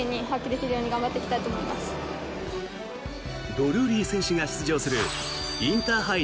ドルーリー選手が出場するインターハイ